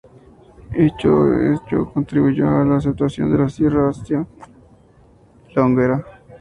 Este hecho contribuyó a la aceptación de la sierra, el hacha y la hoguera.